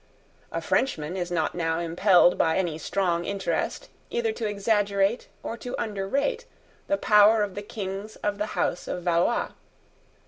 A Frenchman is not now impelled by any strong interest either to exaggerate or to underrate the power of the Kings of the house of Valois.